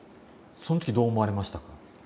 その時どう思われましたか？